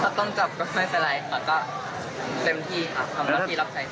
ถ้าต้องจับก็ไม่เป็นไรค่ะก็เป็นทีค่ะทำได้รับที่รับใจค่ะ